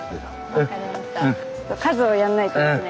数をやんないとですね。